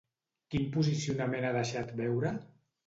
Quin posicionament ha deixat veure?